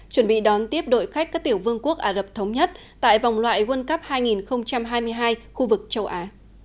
chuẩn bị đón tiếp đội khách các tiểu vương quốc ả rập thống nhất tại vòng loại world cup hai nghìn hai mươi hai khu vực châu á